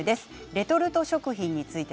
レトルト食品について。